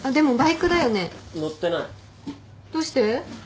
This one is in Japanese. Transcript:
どうして？